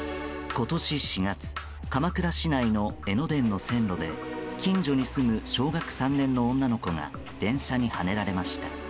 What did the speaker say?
今年４月鎌倉市内の江ノ電の線路で近所に住む小学３年の女の子が電車にはねられました。